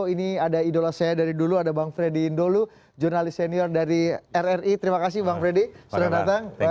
ini ada idola saya dari dulu ada bang freddy indolu jurnalis senior dari rri terima kasih bang freddy sudah datang